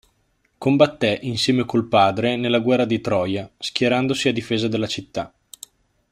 Combatté insieme col padre nella guerra di Troia, schierandosi a difesa della città.